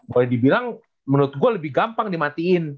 boleh dibilang menurut gue lebih gampang dimatiin